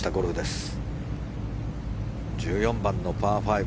１４番のパー５。